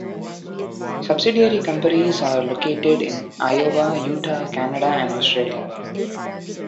Subsidiary companies are located in Iowa, Utah, Canada, and Australia.